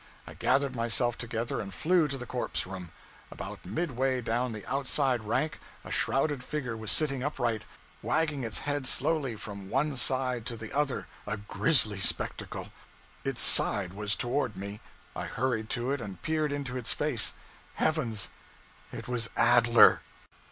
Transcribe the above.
I gathered myself together and flew to the corpse room. About midway down the outside rank, a shrouded figure was sitting upright, wagging its head slowly from one side to the other a grisly spectacle! Its side was toward me. I hurried to it and peered into its face. Heavens, it was Adler!